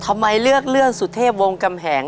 ทำไมเลือกสุทธย์วงกำแหง